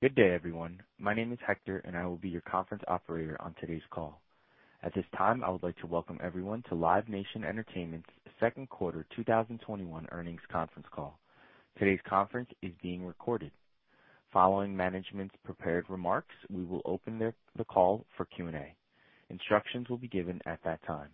Good day, everyone. My name is Hector. I will be your conference operator on today's call. At this time, I would like to welcome everyone to Live Nation Entertainment's second quarter 2021 earnings conference call. Today's conference is being recorded. Following management's prepared remarks, we will open the call for Q&A. Instructions will be given at that time.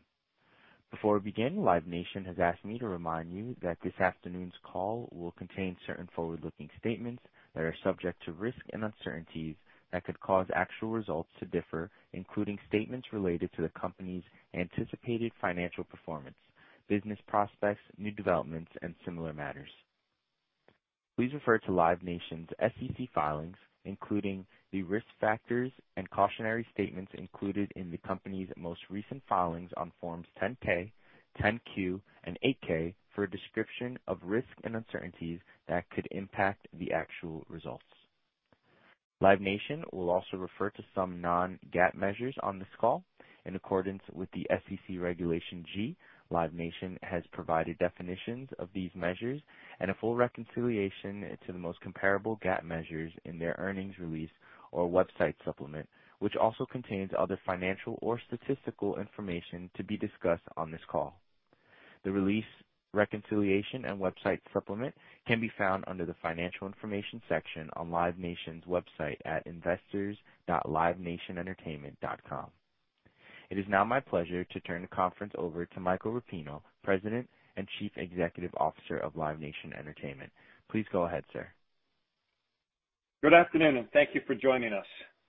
Before we begin, Live Nation has asked me to remind you that this afternoon's call will contain certain forward-looking statements that are subject to risks and uncertainties that could cause actual results to differ, including statements related to the company's anticipated financial performance, business prospects, new developments, and similar matters. Please refer to Live Nation's SEC filings, including the risk factors and cautionary statements included in the company's most recent filings on forms 10-K, 10-Q, and 8-K, for a description of risks and uncertainties that could impact the actual results. Live Nation will also refer to some non-GAAP measures on this call. In accordance with the SEC Regulation G, Live Nation has provided definitions of these measures and a full reconciliation to the most comparable GAAP measures in their earnings release or website supplement, which also contains other financial or statistical information to be discussed on this call. The release reconciliation and website supplement can be found under the Financial Information section on Live Nation's website at investors.livenationentertainment.com. It is now my pleasure to turn the conference over to Michael Rapino, President and Chief Executive Officer of Live Nation Entertainment. Please go ahead, sir. Good afternoon, and thank you for joining us.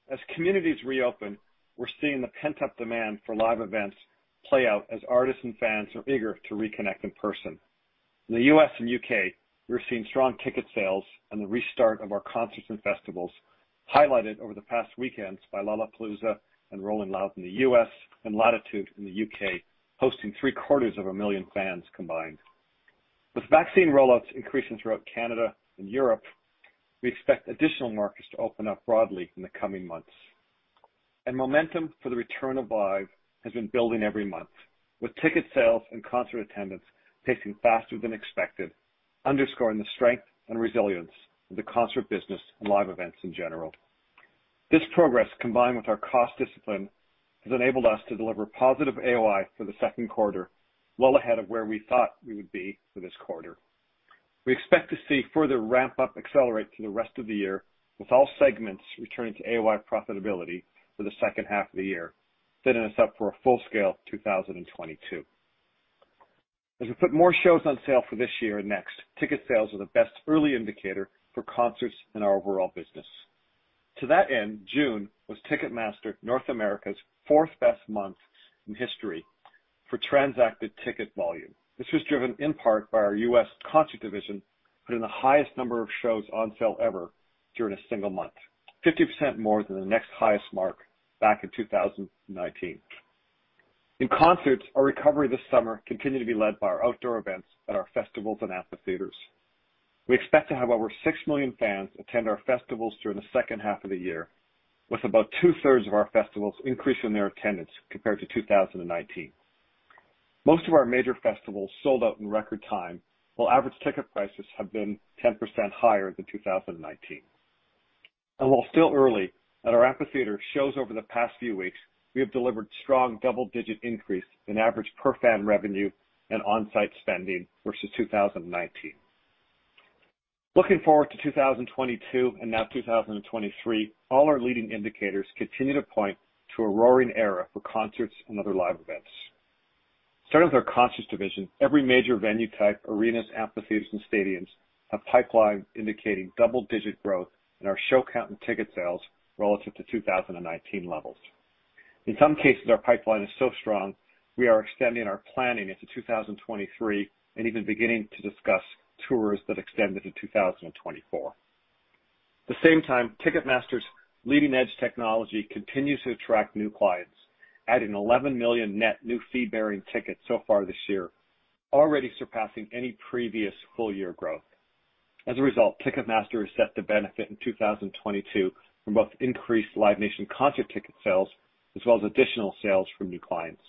As communities reopen, we're seeing the pent-up demand for live events play out as artists and fans are eager to reconnect in person. In the U.S. and U.K., we're seeing strong ticket sales and the restart of our concerts and festivals, highlighted over the past weekends by Lollapalooza and Rolling Loud in the U.S., and Latitude in the U.K., hosting three-quarters of a million fans combined. With vaccine rollouts increasing throughout Canada and Europe, we expect additional markets to open up broadly in the coming months. Momentum for the return of live has been building every month, with ticket sales and concert attendance pacing faster than expected, underscoring the strength and resilience of the concert business and live events in general. This progress, combined with our cost discipline, has enabled us to deliver positive AOI for the second quarter, well ahead of where we thought we would be for this quarter. We expect to see further ramp-up accelerate through the rest of the year, with all segments returning to AOI profitability for the second half of the year, setting us up for a full-scale 2022. As we put more shows on sale for this year and next, ticket sales are the best early indicator for concerts and our overall business. To that end, June was Ticketmaster North America's fourth-best month in history for transacted ticket volume. This was driven in part by our U.S. concert division putting the highest number of shows on sale ever during a single month. 50% more than the next highest mark back in 2019. In concerts, our recovery this summer continued to be led by our outdoor events at our festivals and amphitheaters. We expect to have over six million fans attend our festivals during the second half of the year, with about two-thirds of our festivals increasing their attendance compared to 2019. Most of our major festivals sold out in record time, while average ticket prices have been 10% higher than 2019. While still early, at our amphitheater shows over the past few weeks, we have delivered strong double-digit increase in average per fan revenue and on-site spending versus 2019. Looking forward to 2022 and now 2023, all our leading indicators continue to point to a roaring era for concerts and other live events. Starting with our concerts division, every major venue type, arenas, amphitheaters, and stadiums, have pipelines indicating double-digit growth in our show count and ticket sales relative to 2019 levels. In some cases, our pipeline is so strong we are extending our planning into 2023 and even beginning to discuss tours that extend into 2024. At the same time, Ticketmaster's leading-edge technology continues to attract new clients, adding 11 million net new fee-bearing tickets so far this year, already surpassing any previous full-year growth. As a result, Ticketmaster is set to benefit in 2022 from both increased Live Nation concert ticket sales as well as additional sales from new clients.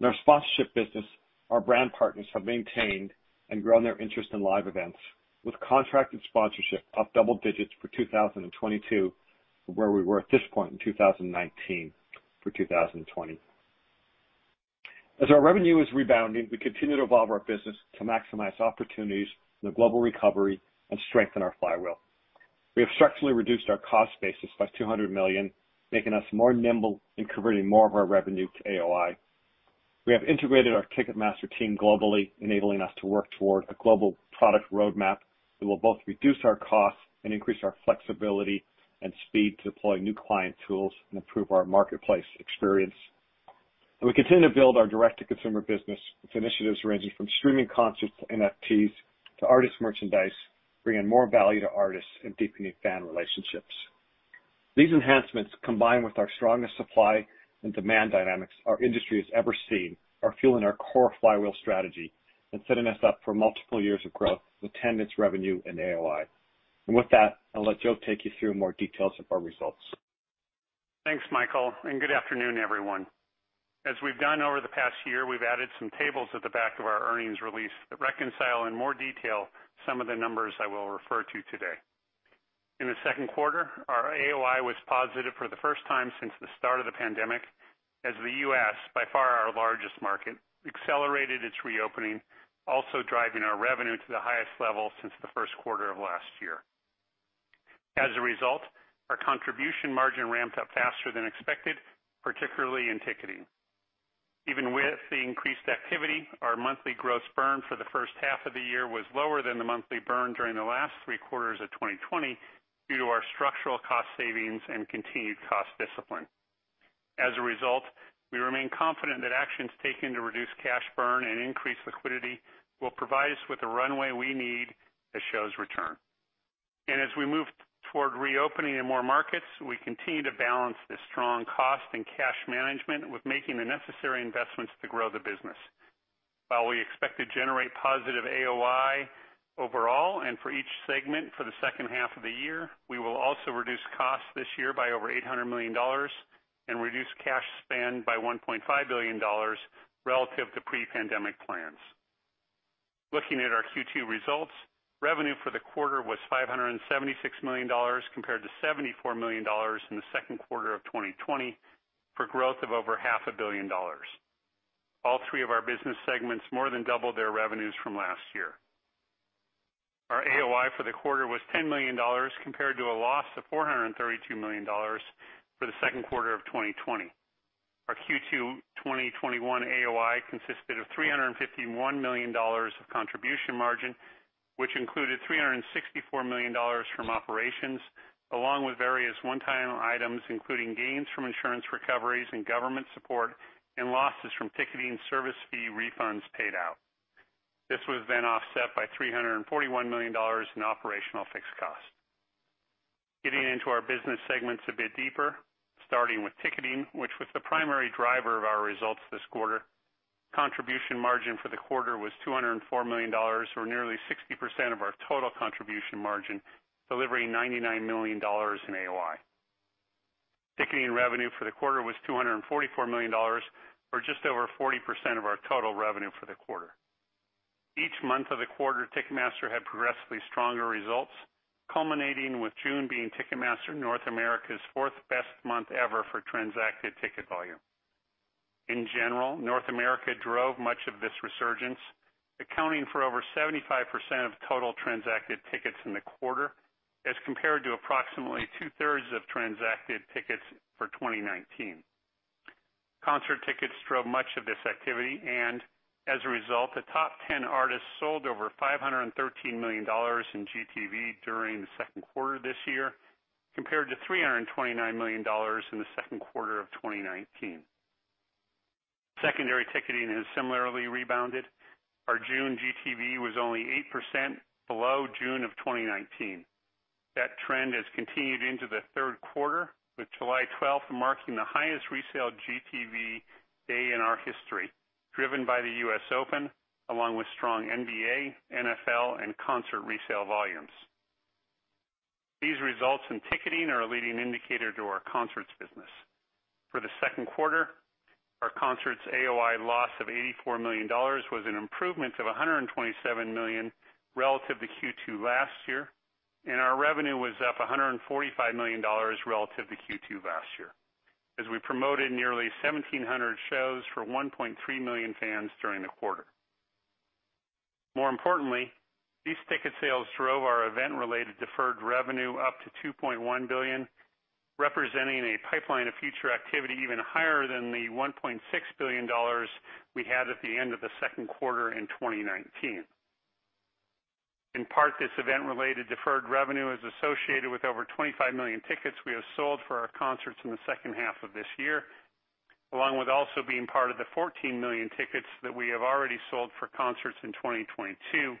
In our sponsorship business, our brand partners have maintained and grown their interest in live events, with contracted sponsorship up double digits for 2022 from where we were at this point in 2019 for 2020. As our revenue is rebounding, we continue to evolve our business to maximize opportunities in the global recovery and strengthen our flywheel. We have structurally reduced our cost base by $200 million, making us more nimble in converting more of our revenue to AOI. We have integrated our Ticketmaster team globally, enabling us to work toward a global product roadmap that will both reduce our costs and increase our flexibility and speed to deploy new client tools and improve our marketplace experience. We continue to build our direct-to-consumer business, with initiatives ranging from streaming concerts to NFTs to artist merchandise, bringing more value to artists and deepening fan relationships. These enhancements, combined with the strongest supply and demand dynamics our industry has ever seen, are fueling our core flywheel strategy and setting us up for multiple years of growth with attendance, revenue, and AOI. With that, I'll let Joe take you through more details of our results. Thanks, Michael. Good afternoon, everyone. As we've done over the past year, we've added some tables at the back of our earnings release that reconcile in more detail some of the numbers I will refer to today. In the second quarter, our AOI was positive for the first time since the start of the pandemic, as the U.S., by far our largest market, accelerated its reopening, also driving our revenue to the highest level since the first quarter of last year. As a result our contribution margin ramped up faster than expected particularly in ticketing. Even with the increased activity, our monthly gross burn for the first half of the year was lower than the monthly burn during the last three quarters of 2020 due to our structural cost savings and continued cost discipline. As a result, we remain confident that actions taken to reduce cash burn and increase liquidity will provide us with the runway we need as shows return. As we move toward reopening in more markets, we continue to balance the strong cost and cash management with making the necessary investments to grow the business. While we expect to generate positive AOI overall and for each segment for the second half of the year, we will also reduce costs this year by over $800 million and reduce cash spend by $1.5 billion relative to pre-pandemic plans. Looking at our Q2 results, revenue for the quarter was $576 million, compared to $74 million in the second quarter of 2020, for growth of over half a billion dollars. All 3 of our business segments more than doubled their revenues from last year. Our AOI for the quarter was $10 million, compared to a loss of $432 million for the second quarter of 2020. Our Q2 2021 AOI consisted of $351 million of contribution margin, which included $364 million from operations, along with various one-time items, including gains from insurance recoveries and government support, and losses from ticketing service fee refunds paid out. This was offset by $341 million in operational fixed costs. Getting into our business segments a bit deeper, starting with ticketing, which was the primary driver of our results this quarter. Contribution margin for the quarter was $204 million, or nearly 60% of our total contribution margin, delivering $99 million in AOI. Ticketing revenue for the quarter was $244 million, or just over 40% of our total revenue for the quarter. Each month of the quarter, Ticketmaster had progressively stronger results, culminating with June being Ticketmaster North America's fourth-best month ever for transacted ticket volume. In general, North America drove much of this resurgence, accounting for over 75% of total transacted tickets in the quarter, as compared to approximately two-thirds of transacted tickets for 2019. Concert tickets drove much of this activity, and as a result, the top 10 artists sold over $513 million in GTV during the second quarter this year, compared to $329 million in the second quarter of 2019. Secondary ticketing has similarly rebounded. Our June GTV was only 8% below June of 2019. That trend has continued into the third quarter, with July 12th marking the highest resale GTV day in our history, driven by the US Open, along with strong NBA, NFL, and concert resale volumes. These results in ticketing are a leading indicator to our concerts business. For the second quarter, our concerts' AOI loss of $84 million was an improvement of $127 million relative to Q2 last year, and our revenue was up $145 million relative to Q2 last year, as we promoted nearly 1,700 shows for 1.3 million fans during the quarter. More importantly, these ticket sales drove our event-related deferred revenue up to $2.1 billion, representing a pipeline of future activity even higher than the $1.6 billion we had at the end of the second quarter in 2019. In part, this event-related deferred revenue is associated with over 25 million tickets we have sold for our concerts in the second half of this year, along with also being part of the 14 million tickets that we have already sold for concerts in 2022,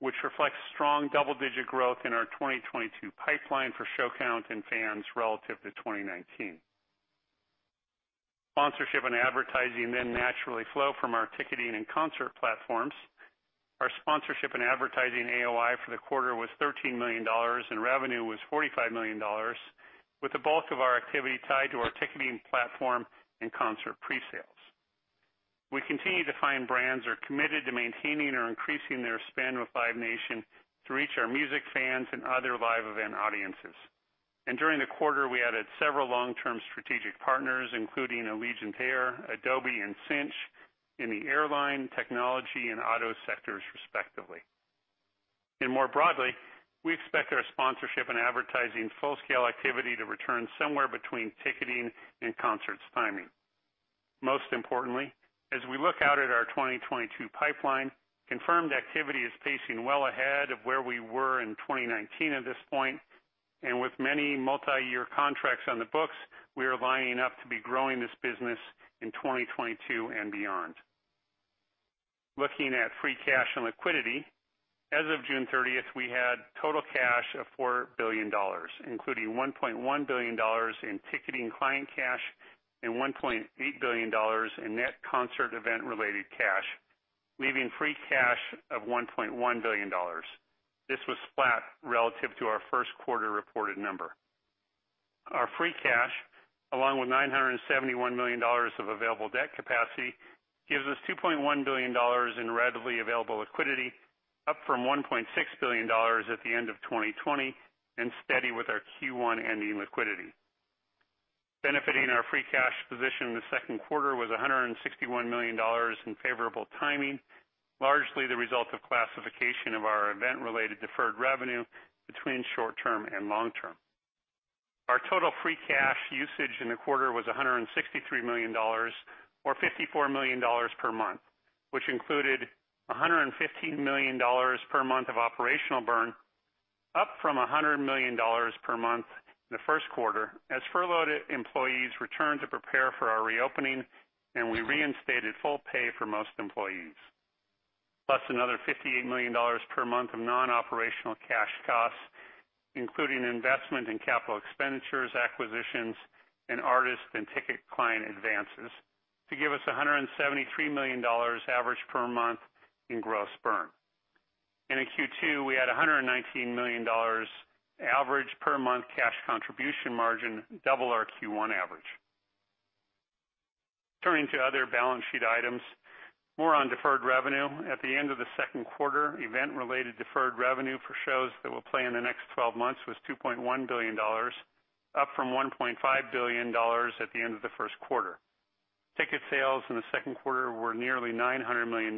which reflects strong double-digit growth in our 2022 pipeline for show count and fans relative to 2019. Sponsorship and advertising naturally flow from our ticketing and concert platforms. Our sponsorship and advertising AOI for the quarter was $13 million, and revenue was $45 million, with the bulk of our activity tied to our ticketing platform and concert presales. We continue to find brands are committed to maintaining or increasing their spend with Live Nation to reach our music fans and other live event audiences. During the quarter, we added several long-term strategic partners, including Allegiant Air, Adobe, and Cinch, in the airline, technology, and auto sectors respectively. More broadly, we expect our sponsorship and advertising full-scale activity to return somewhere between ticketing and concerts timing. Most importantly, as we look out at our 2022 pipeline, confirmed activity is pacing well ahead of where we were in 2019 at this point. With many multi-year contracts on the books, we are lining up to be growing this business in 2022 and beyond. Looking at free cash and liquidity, as of June 30th, we had total cash of $4 billion, including $1.1 billion in ticketing client cash and $1.8 billion in net concert event-related cash. Leaving free cash of $1.1 billion. This was flat relative to our first quarter reported number. Our free cash, along with $971 million of available debt capacity, gives us $2.1 billion in readily available liquidity, up from $1.6 billion at the end of 2020 and steady with our Q1 ending liquidity. Benefiting our free cash position in the second quarter was $161 million in favorable timing, largely the result of classification of our event-related deferred revenue between short-term and long-term. Our total free cash usage in the quarter was $163 million, or $54 million per month, which included $115 million per month of operational burn, up from $100 million per month in the first quarter as furloughed employees returned to prepare for our reopening, and we reinstated full pay for most employees. Plus another $58 million per month of non-operational cash costs, including investment in capital expenditures, acquisitions, and artist and ticket client advances to give us $173 million average per month in gross burn. In Q2, we had $119 million average per month cash contribution margin, double our Q1 average. Turning to other balance sheet items. More on deferred revenue. At the end of the second quarter, event-related deferred revenue for shows that will play in the next 12 months was $2.1 billion, up from $1.5 billion at the end of the first quarter. Ticket sales in the second quarter were nearly $900 million,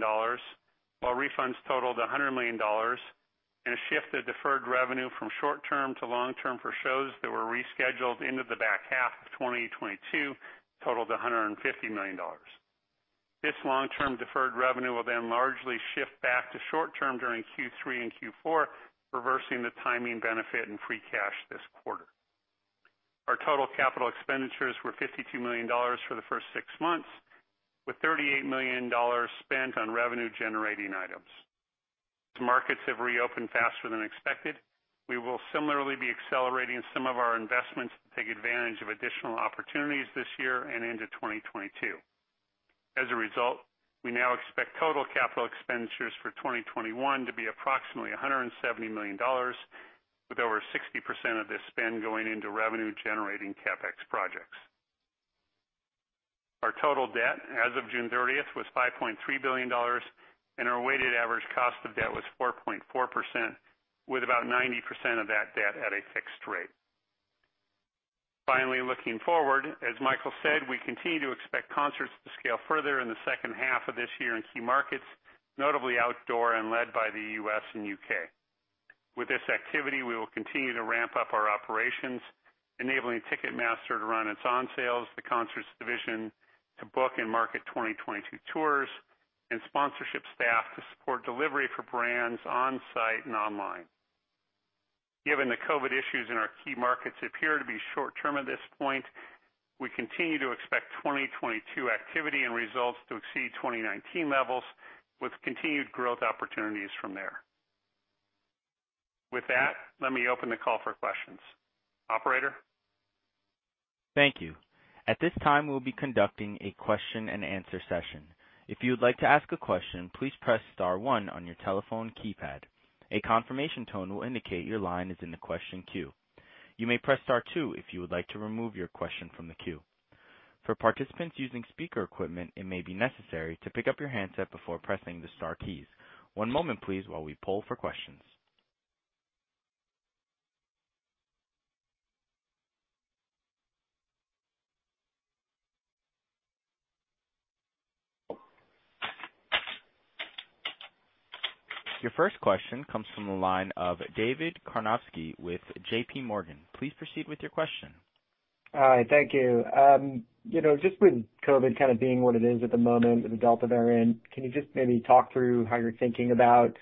while refunds totaled $100 million, and a shift of deferred revenue from short-term to long-term for shows that were rescheduled into the back half of 2022 totaled $150 million. This long-term deferred revenue will then largely shift back to short-term during Q3 and Q4, reversing the timing benefit in free cash this quarter. Our total capital expenditures were $52 million for the first six months, with $38 million spent on revenue-generating items. As markets have reopened faster than expected, we will similarly be accelerating some of our investments to take advantage of additional opportunities this year and into 2022. As a result, we now expect total capital expenditures for 2021 to be approximately $170 million, with over 60% of this spend going into revenue-generating CapEx projects. Our total debt as of June 30th was $5.3 billion, and our weighted average cost of debt was 4.4%, with about 90% of that debt at a fixed rate. Finally, looking forward, as Michael said, we continue to expect concerts to scale further in the second half of this year in key markets, notably outdoor and led by the U.S. and U.K. With this activity, we will continue to ramp up our operations, enabling Ticketmaster to run its on sales, the concerts division to book and market 2022 tours, and sponsorship staff to support delivery for brands on-site and online. Given the COVID issues in our key markets appear to be short-term at this point, we continue to expect 2022 activity and results to exceed 2019 levels, with continued growth opportunities from there. With that, let me open the call for questions. Operator. Thank you. At this time, we'll be conducting a question and answer session. If you would like to ask a question, please press star one on your telephone keypad. A confirmation tone will indicate your line is in the question queue. You may press star two if you would like to remove your question from the queue. For participants using speaker equipment, it may be necessary to pick up your handset before pressing the star keys. One moment, please, while we poll for questions. Your first question comes from the line of David Karnovsky with JPMorgan. Please proceed with your question. All right. Thank you. Just with COVID kind of being what it is at the moment with the Delta variant, can you just maybe talk through how you're thinking about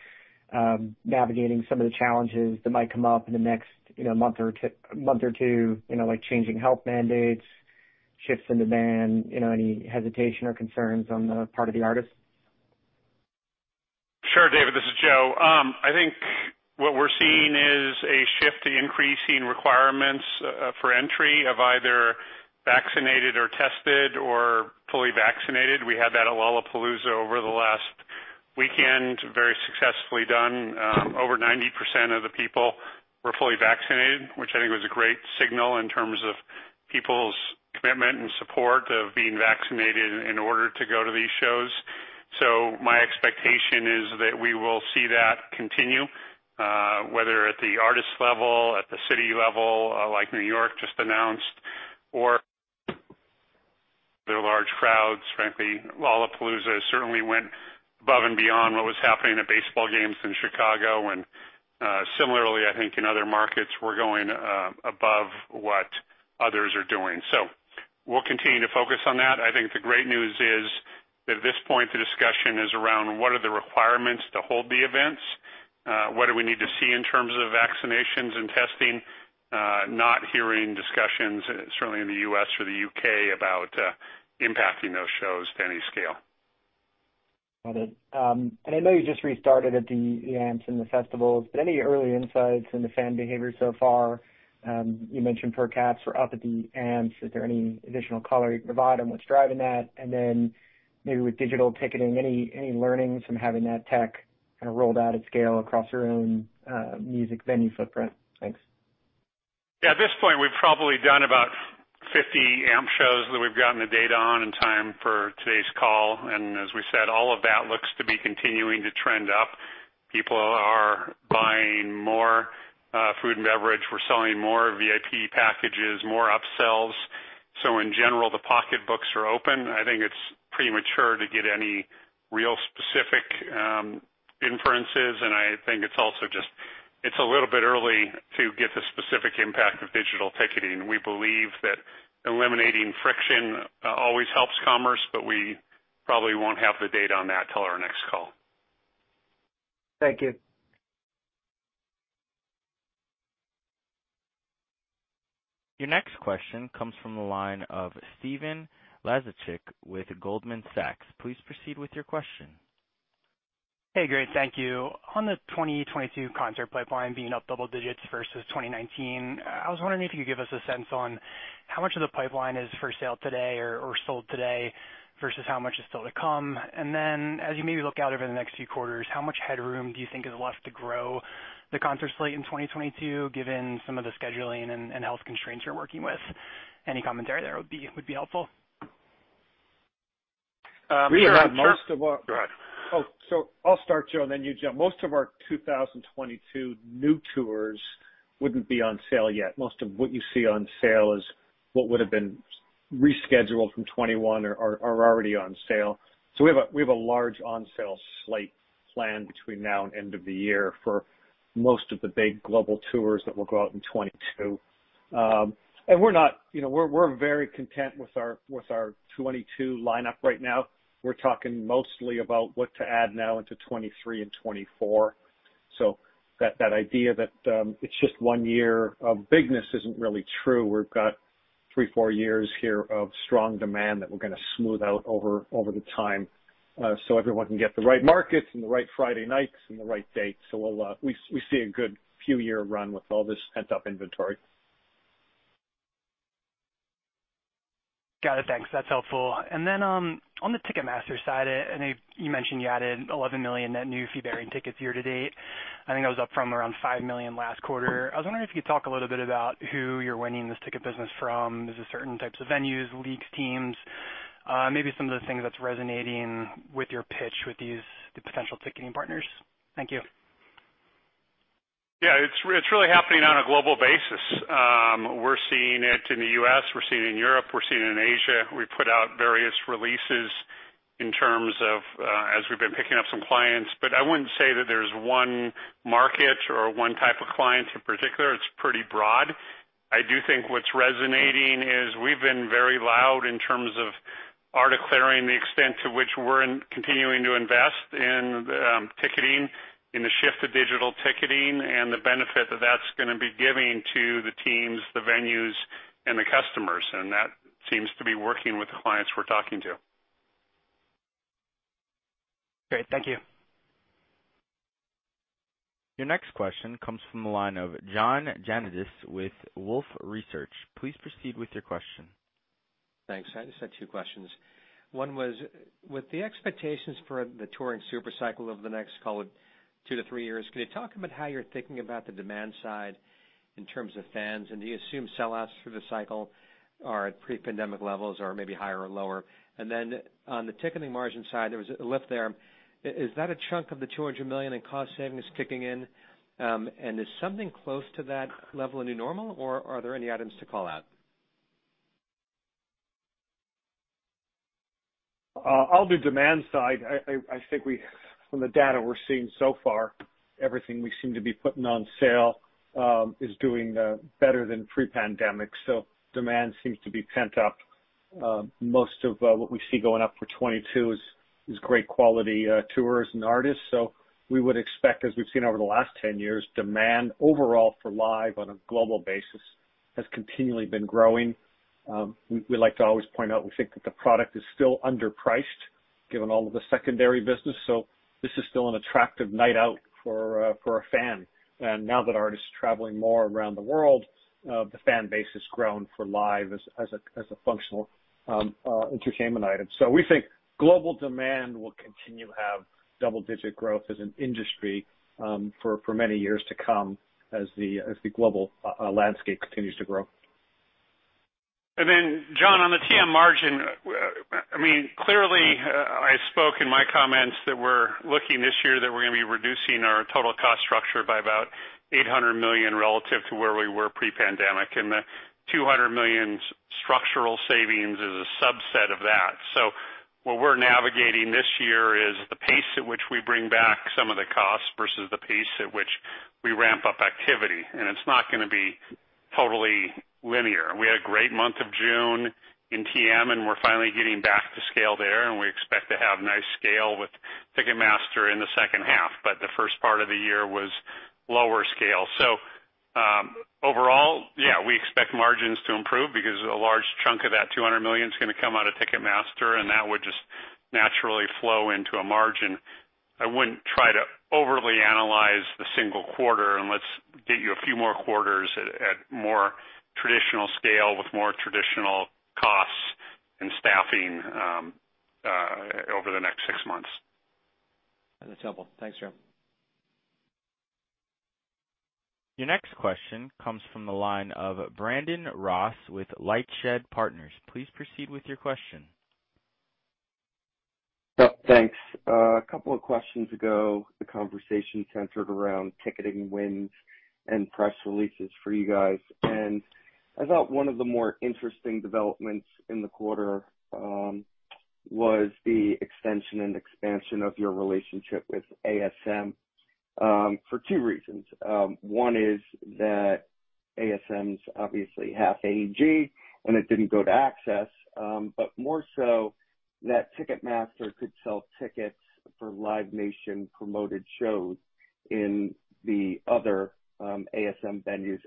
navigating some of the challenges that might come up in the next month or two, like changing health mandates, shifts in demand, any hesitation or concerns on the part of the artist? Sure, David, this is Joe. I think what we're seeing is a shift to increasing requirements for entry of either vaccinated or tested or fully vaccinated. We had that at Lollapalooza over the last weekend, very successfully done. Over 90% of the people were fully vaccinated, which I think was a great signal in terms of people's commitment and support of being vaccinated in order to go to these shows. My expectation is that we will see that continue, whether at the artist level, at the city level, like New York just announced, or the large crowds. Frankly, Lollapalooza certainly went above and beyond what was happening at baseball games in Chicago, and similarly, I think in other markets, we're going above what others are doing. We'll continue to focus on that. I think the great news is that at this point, the discussion is around what are the requirements to hold the events, what do we need to see in terms of vaccinations and testing. Not hearing discussions, certainly in the U.S. or the U.K., about impacting those shows to any scale. Got it. I know you just restarted at the amps and the festivals, any early insights into fan behavior so far? You mentioned per caps were up at the amps. Is there any additional color you can provide on what's driving that? Maybe with digital ticketing, any learnings from having that tech? Kind of rolled out at scale across your own music venue footprint. Thanks. Yeah. At this point, we've probably done about 50 AMP shows that we've gotten the data on in time for today's call. As we said, all of that looks to be continuing to trend up. People are buying more food and beverage. We're selling more VIP packages, more upsells. In general, the pocketbooks are open. I think it's premature to get any real specific inferences. I think it's also just a little bit early to get the specific impact of digital ticketing. We believe that eliminating friction always helps commerce, but we probably won't have the data on that till our next call. Thank you. Your next question comes from the line of Stephen Laszczyk with Goldman Sachs. Please proceed with your question. Hey, great. Thank you. On the 2022 concert pipeline being up double digits versus 2019, I was wondering if you could give us a sense on how much of the pipeline is for sale today or sold today versus how much is still to come. Then as you maybe look out over the next few quarters, how much headroom do you think is left to grow the concert slate in 2022, given some of the scheduling and health constraints you're working with? Any commentary there would be helpful. Go ahead. I'll start, Joe, and then you jump. Most of our 2022 new tours wouldn't be on sale yet. Most of what you see on sale is what would've been rescheduled from 2021 or are already on sale. We have a large on-sale slate planned between now and end of the year for most of the big global tours that will go out in 2022. We're very content with our 2022 lineup right now. We're talking mostly about what to add now into 2023 and 2024. That idea that it's just one year of bigness isn't really true. We've got three, four years here of strong demand that we're going to smooth out over the time, so everyone can get the right markets and the right Friday nights and the right dates. We see a good few year run with all this pent-up inventory. Got it. Thanks. That's helpful. On the Ticketmaster side, I know you mentioned you added 11 million net new fee-bearing tickets year to date. I think that was up from around 5 million last quarter. I was wondering if you could talk a little bit about who you're winning this ticket business from. Is it certain types of venues, leagues, teams? Maybe some of the things that's resonating with your pitch with these potential ticketing partners. Thank you. Yeah. It's really happening on a global basis. We're seeing it in the U.S., we're seeing it in Europe, we're seeing it in Asia. We put out various releases in terms of as we've been picking up some clients. I wouldn't say that there's one market or one type of client in particular. It's pretty broad. I do think what's resonating is we've been very loud in terms of our declaring the extent to which we're continuing to invest in the ticketing, in the shift to digital ticketing, and the benefit that that's going to be giving to the teams, the venues, and the customers. That seems to be working with the clients we're talking to. Great. Thank you. Your next question comes from the line of John Janedis with Wolfe Research. Please proceed with your question. Thanks. I just had two questions. One was, with the expectations for the touring supercycle over the next, call it two to three years, can you talk about how you're thinking about the demand side in terms of fans? Do you assume sellouts for the cycle are at pre-pandemic levels or maybe higher or lower? On the ticketing margin side, there was a lift there. Is that a chunk of the $200 million in cost savings kicking in? Is something close to that level a new normal, or are there any items to call out? I'll do demand side. I think from the data we're seeing so far, everything we seem to be putting on sale is doing better than pre-pandemic. Demand seems to be pent up. Most of what we see going up for 2022 is great quality tours and artists. We would expect, as we've seen over the last 10 years, demand overall for live on a global basis has continually been growing. We like to always point out, we think that the product is still underpriced given all of the secondary business. This is still an attractive night out for a fan. Now that artists are traveling more around the world, the fan base has grown for live as a functional entertainment item. We think global demand will continue to have double-digit growth as an industry for many years to come as the global landscape continues to grow. John, on the Ticketmaster margin, clearly, I spoke in my comments that we're looking this year that we're going to be reducing our total cost structure by about $800 million relative to where we were pre-pandemic, and the $200 million structural savings is a subset of that. What we're navigating this year is the pace at which we bring back some of the costs versus the pace at which we ramp up activity. It's not going to be totally linear. We had a great month of June in Ticketmaster, and we're finally getting back to scale there, and we expect to have nice scale with Ticketmaster in the second half. The first part of the year was lower scale. Overall, yeah, we expect margins to improve because a large chunk of that $200 million is going to come out of Ticketmaster, and that would just naturally flow into a margin. I wouldn't try to overly analyze the single quarter, and let's get you a few more quarters at more traditional scale with more traditional cost and staffing over the next six months. That's helpful. Thanks, Joe. Your next question comes from the line of Brandon Ross with LightShed Partners. Please proceed with your question. Yep, thanks. A couple of questions ago, the conversation centered around ticketing wins and press releases for you guys. I thought one of the more interesting developments in the quarter was the extension and expansion of your relationship with ASM for two reasons. One is that ASM's obviously half AEG, and it didn't go to AXS, but more so that Ticketmaster could sell tickets for Live Nation-promoted shows in the other ASM venues.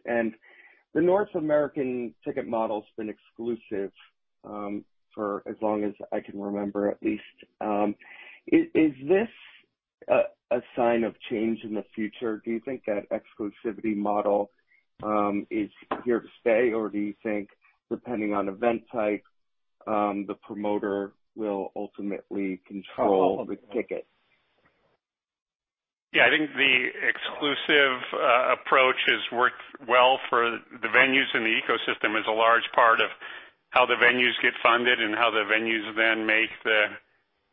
The North American ticket model's been exclusive for as long as I can remember, at least. Is this a sign of change in the future? Do you think that exclusivity model is here to stay, or do you think, depending on event type, the promoter will ultimately control the ticket? I think the exclusive approach has worked well for the venues and the ecosystem as a large part of how the venues get funded and how the venues then make the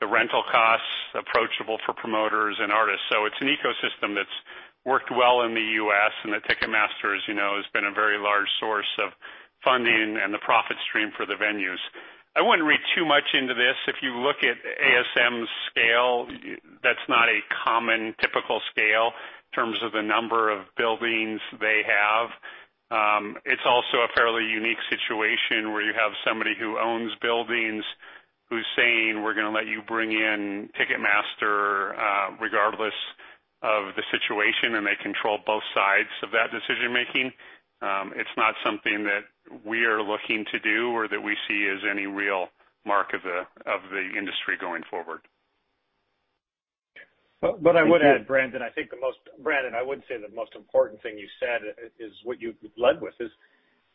rental costs approachable for promoters and artists. It's an ecosystem that's worked well in the U.S. and that Ticketmaster, as you know, has been a very large source of funding and the profit stream for the venues. I wouldn't read too much into this. If you look at ASM's scale, that's not a common, typical scale in terms of the number of buildings they have. It's also a fairly unique situation where you have somebody who owns buildings who's saying, "We're going to let you bring in Ticketmaster regardless of the situation," and they control both sides of that decision-making. It's not something that we are looking to do or that we see as any real mark of the industry going forward. I would add, Brandon, I would say the most important thing you said is what you led with, is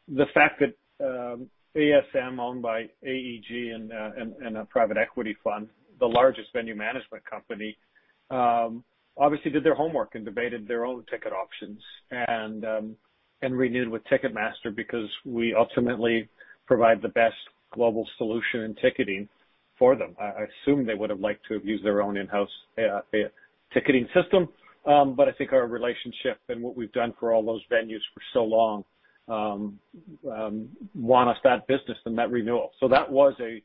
the fact that ASM, owned by AEG and a private equity fund, the largest venue management company, obviously did their homework and debated their own ticket options and renewed with Ticketmaster because we ultimately provide the best global solution in ticketing for them. I assume they would have liked to have used their own in-house ticketing system. I think our relationship and what we've done for all those venues for so long won us that business and that renewal. That was a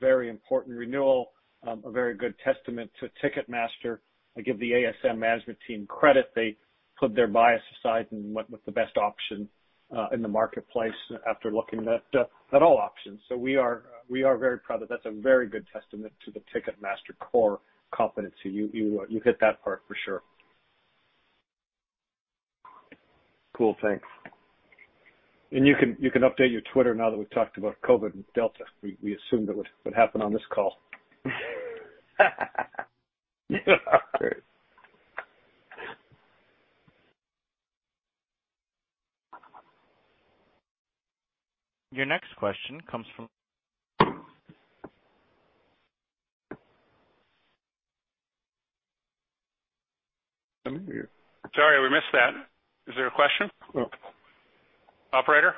very important renewal, a very good testament to Ticketmaster. I give the ASM management team credit. They put their bias aside and went with the best option in the marketplace after looking at all options. We are very proud of that. That's a very good testament to the Ticketmaster core competency. You hit that part for sure. Cool. Thanks. You can update your Twitter now that we've talked about COVID and Delta. We assumed it would happen on this call. Great. Your next question comes from. Sorry, we missed that. Is there a question? Operator?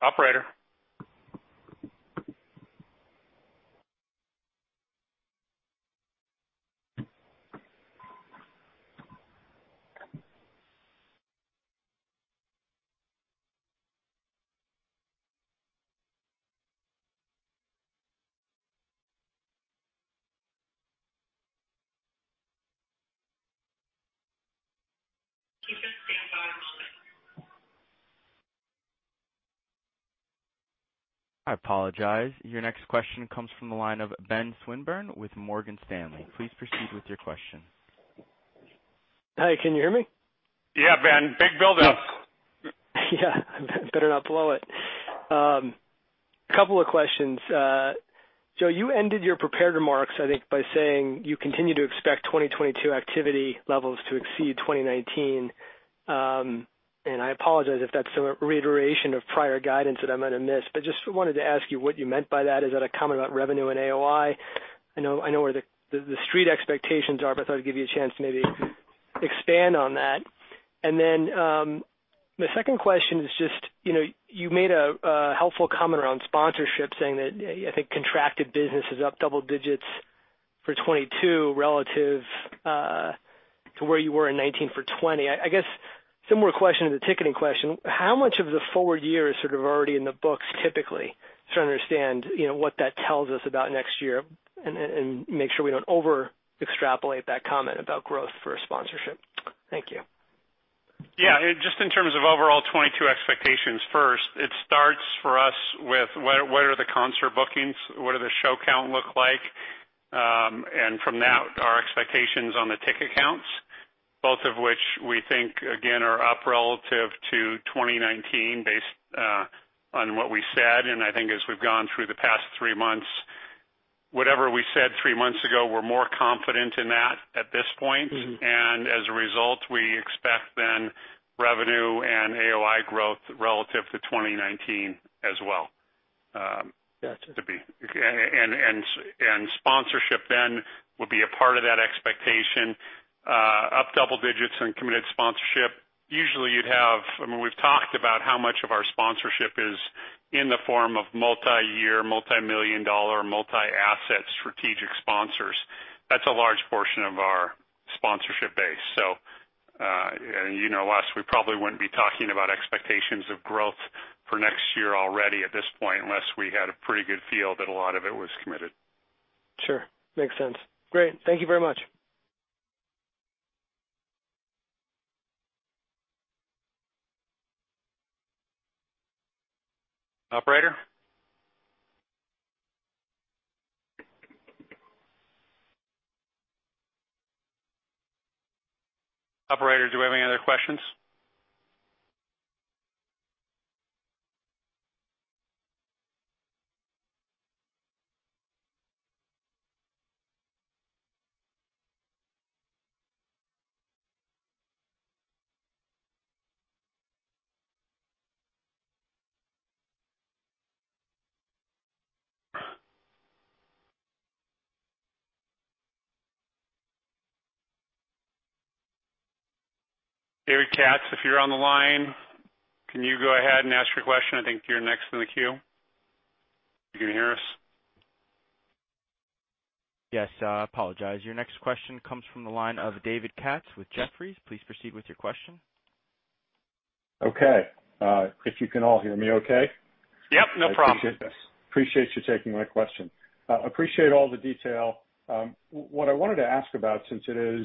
Operator? Please just stand by a moment. I apologize. Your next question comes from the line of Benjamin Swinburne with Morgan Stanley. Please proceed with your question. Hi, can you hear me? Yeah, Ben. Big build up. Yeah. Better not blow it. Couple of questions. Joe, you ended your prepared remarks, I think, by saying you continue to expect 2022 activity levels to exceed 2019. I apologize if that's a reiteration of prior guidance that I might have missed, but just wanted to ask you what you meant by that. Is that a comment about revenue and AOI? I know where the street expectations are, but I thought I'd give you a chance to maybe expand on that. Then, the second question is just, you made a helpful comment around sponsorship, saying that, I think contracted business is up double digits for 2022 relative to where you were in 2019 for 2020. I guess similar question to the ticketing question, how much of the forward year is sort of already in the books typically to understand what that tells us about next year and make sure we don't over extrapolate that comment about growth for sponsorship. Thank you. Yeah. Just in terms of overall 2022 expectations first, it starts for us with what are the concert bookings, what do the show count look like? From that, our expectations on the ticket counts, both of which we think, again, are up relative to 2019 based on what we said. I think as we've gone through the past three months, whatever we said three months ago, we're more confident in that at this point. As a result, we expect revenue and AOI growth relative to 2019 as well. Got you. Sponsorship then will be a part of that expectation, up double digits in committed sponsorship. We've talked about how much of our sponsorship is in the form of multi-year, multimillion-dollar, multi-asset strategic sponsors. That's a large portion of our sponsorship base. You know us, we probably wouldn't be talking about expectations of growth for next year already at this point unless we had a pretty good feel that a lot of it was committed. Sure. Makes sense. Great. Thank you very much. Operator? Operator, do we have any other questions? David Katz, if you're on the line, can you go ahead and ask your question? I think you're next in the queue. You can hear us? Yes. Apologize. Your next question comes from the line of David Katz with Jefferies. Please proceed with your question. Okay. If you can all hear me okay? Yep, no problem. Appreciate you taking my question. Appreciate all the detail. What I wanted to ask about since it is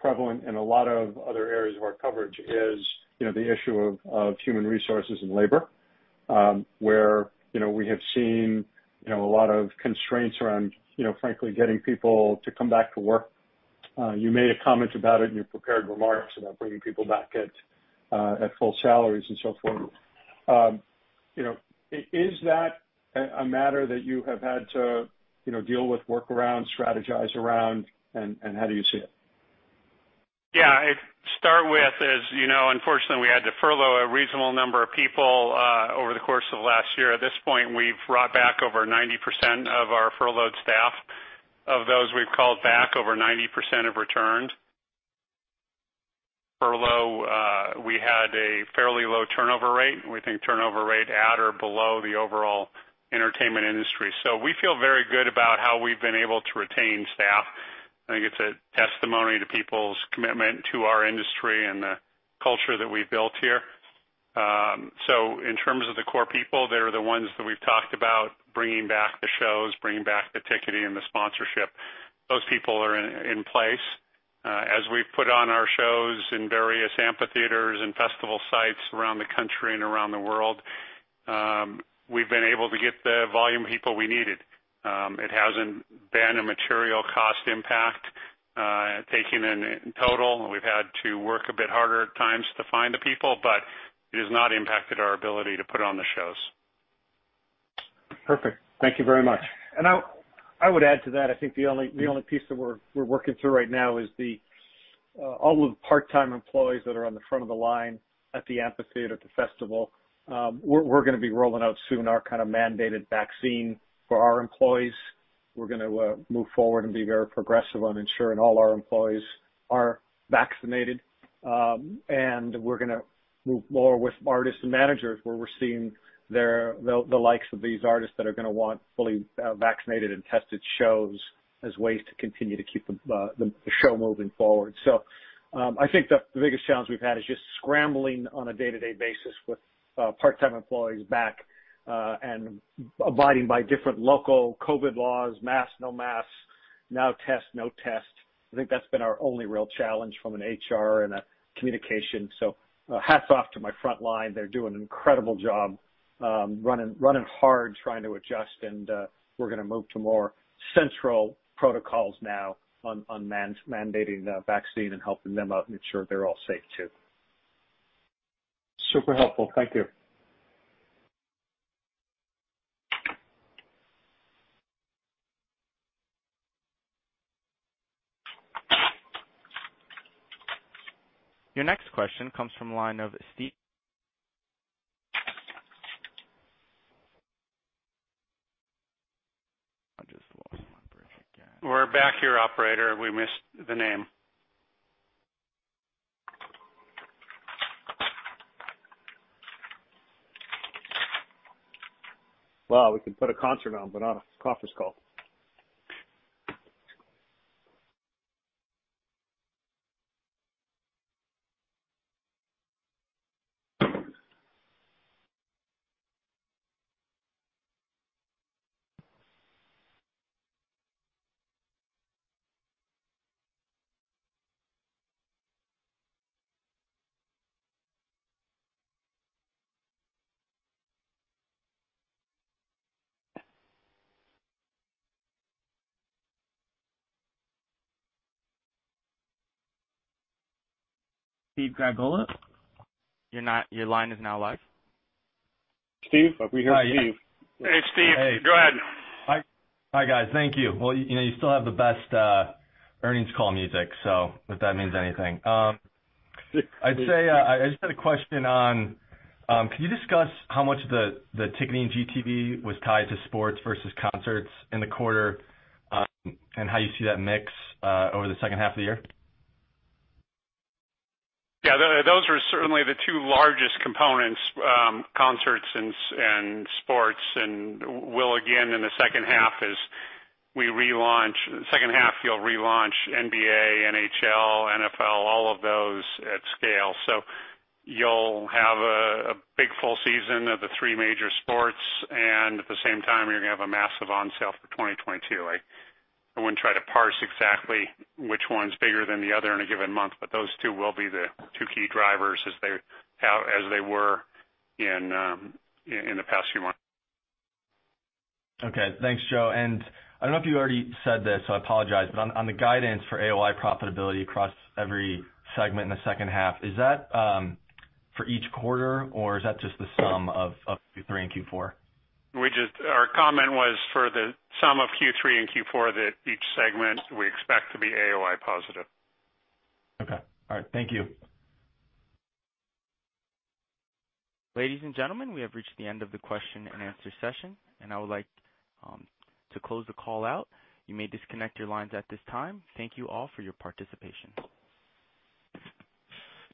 prevalent in a lot of other areas of our coverage is, the issue of human resources and labor, where we have seen a lot of constraints around, frankly, getting people to come back to work. You made a comment about it in your prepared remarks about bringing people back at full salaries and so forth. Is that a matter that you have had to deal with, work around, strategize around, and how do you see it? I'd start with is, unfortunately, we had to furlough a reasonable number of people, over the course of last year. At this point, we've brought back over 90% of our furloughed staff. Of those we've called back, over 90% have returned. Furlough, we had a fairly low turnover rate, we think turnover rate at or below the overall entertainment industry. We feel very good about how we've been able to retain staff. I think it's a testimony to people's commitment to our industry and the culture that we've built here. In terms of the core people, they're the ones that we've talked about, bringing back the shows, bringing back the ticketing and the sponsorship. Those people are in place. As we've put on our shows in various amphitheaters and festival sites around the country and around the world, we've been able to get the volume of people we needed. It hasn't been a material cost impact, taken in total. We've had to work a bit harder at times to find the people, but it has not impacted our ability to put on the shows. Perfect. Thank you very much. I would add to that, I think the only piece that we're working through right now is all the part-time employees that are on the front of the line at the amphitheater, at the festival. We're going to be rolling out soon our kind of mandated vaccine for our employees. We're going to move forward and be very progressive on ensuring all our employees are vaccinated. We're going to move more with artists and managers where we're seeing the likes of these artists that are going to want fully vaccinated and tested shows as ways to continue to keep the show moving forward. I think the biggest challenge we've had is just scrambling on a day-to-day basis with part-time employees back, and abiding by different local COVID laws, mask, no mask, now test, no test. I think that's been our only real challenge from an HR and a communication. Hats off to my frontline. They're doing an incredible job, running hard, trying to adjust, and we're going to move to more central protocols now on mandating the vaccine and helping them out and ensure they're all safe too. Super helpful. Thank you. Your next question comes from line of Steve. We're back here, operator. We missed the name. Wow, we can put a concert on, but not a conference call. Stephen Glagola, your line is now live. Steve, are we hearing you? Hey, Steve. Go ahead. Hi, guys. Thank you. Well, you still have the best earnings call music, so if that means anything. I just had a question on, can you discuss how much the ticketing GTV was tied to sports versus concerts in the quarter? How you see that mix over the second half of the year? Those are certainly the two largest components, concerts and sports, and will again in the second half as we relaunch NBA, NHL, NFL, all of those at scale. You'll have a big full season of the three major sports, and at the same time, you're going to have a massive on-sale for 2022. I wouldn't try to parse exactly which one's bigger than the other in a given month, but those two will be the two key drivers as they were in the past few months. Okay, thanks, Joe. I don't know if you already said this, so I apologize, but on the guidance for AOI profitability across every segment in the second half, is that for each quarter or is that just the sum of Q3 and Q4? Our comment was for the sum of Q3 and Q4 that each segment we expect to be AOI positive. Okay. All right. Thank you. Ladies and gentlemen, we have reached the end of the question and answer session, and I would like to close the call out. You may disconnect your lines at this time. Thank you all for your participation.